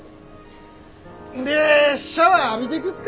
んでシャワー浴びてくっか。